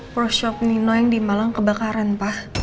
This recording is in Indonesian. pro shop nino yang dimalang kebakaran pak